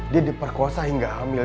dia diperkuasa hingga hamil